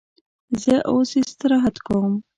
زه اوس استراحت کوم.